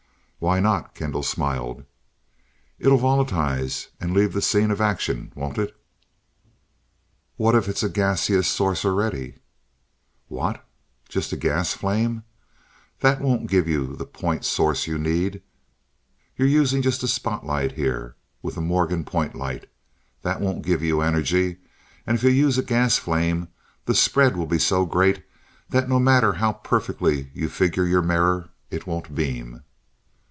"Why not?" Kendall smiled. "It'll volatilize and leave the scene of action, won't it?" "What if it's a gaseous source already?" "What? Just a gas flame? That won't give you the point source you need. You're using just a spotlight here, with a Moregan Point light. That won't give you energy, and if you use a gas flame, the spread will be so great, that no matter how perfectly you figure your mirror, it won't beam."